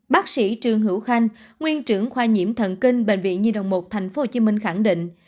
bác sĩ trương hữu khanh nguyên trưởng khoa nhiễm thần kinh bệnh viện nhi đồng một tp hcm khẳng định